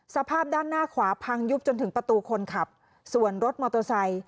สภาพด้านหน้าขวาพังยุบจนถึงประตูคนขับส่วนรถมอเตอร์ไซค์